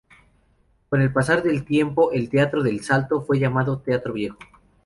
Con el pasar del tiempo el "Teatro del Salto" fue llamado "Teatro Viejo".